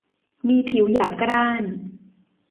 มีผิวหยาบกร้าน